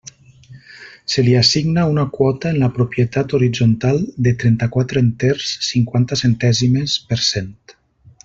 Se li assigna una quota en la propietat horitzontal de trenta-quatre enters, cinquanta centèsimes per cent.